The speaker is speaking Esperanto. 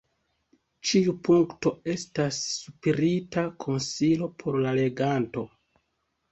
Ĉiu punkto estas spirita konsilo por la leganto.